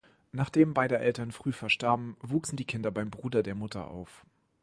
Nachdem beide Eltern früh verstarben, wuchsen die Kinder beim Bruder der Mutter auf.